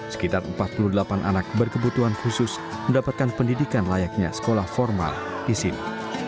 sekitar empat puluh delapan anak berkebutuhan khusus mendapatkan pendidikan layaknya sekolah formal di sini